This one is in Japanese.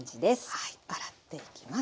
はい洗っていきます。